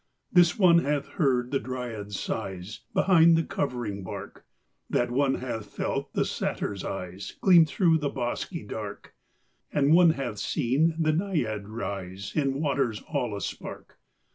This one hath heard the dryad's sighs Behind the covering bark; That one hath felt the satyr's eyes Gleam through the bosky dark; And one hath seen the Naiad rise In waters all a spark.